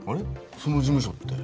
その事務所って。